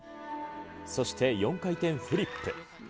そして４回転フリップ。